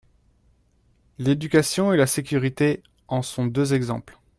L’éducation et la sécurité en sont deux exemples.